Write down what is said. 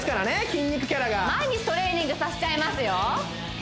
筋肉キャラが毎日トレーニングさせちゃいますよ